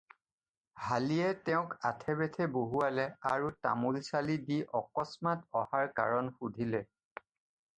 হালিয়ে তেওঁক আথে-বেথে বহুৱালে আৰু তামোল-ছালি দি অকস্মাৎ অহাৰ কাৰণ সুধিলে।